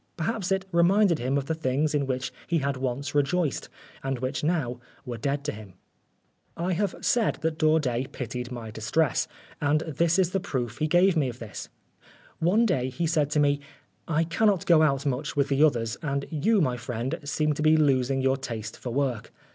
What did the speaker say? Perhaps it reminded him of the things in which he had once rejoiced, and which now were dead to him. I have said that Daudet pitied my distress, and this is the proof he gave me of this. One day he said to me, " I cannot go out much with the others, and you, my friend, seem to be losing your taste for work.